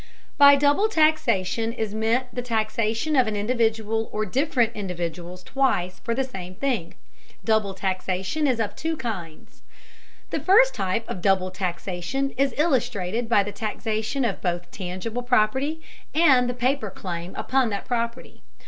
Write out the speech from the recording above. By double taxation is meant the taxation of an individual or different individuals twice for the same thing. Double taxation is of two kinds. The first type of double taxation is illustrated by the taxation of both tangible property and the paper claim upon that property.